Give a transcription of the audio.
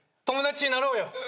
友達になろうよ。